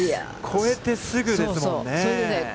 越えて、すぐですもんね。